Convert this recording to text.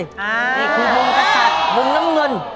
คือมุมกศัตริย์มุมน้ำเงิน